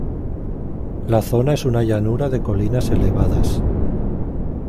La zona es una llanura de colinas elevadas.